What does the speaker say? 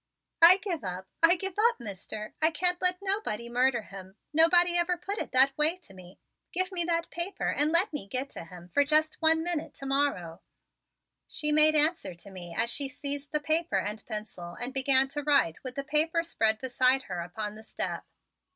"I give up! I give up, Mister! I can't let nobody murder him. Nobody ever put it that way to me. Give me that paper and let me git to him fer jest one minute to morrow," she made answer to me as she seized the paper and pencil and began to write with the paper spread beside her upon the step.